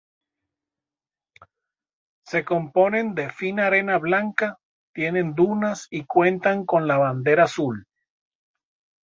Se componen de fina arena blanca, tienen dunas y cuentan con la bandera azul.